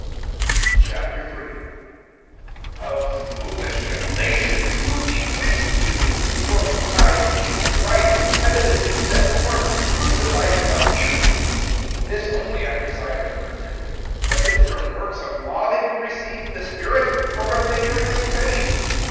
III. O FOOLISH Galatians, who bewitched you, before whose eyes Jesus Christ was evidently set forth[3:1], crucified among you? (2)This only I desire to learn from you: Was it from works of law that ye received the Spirit, or from the hearing of faith?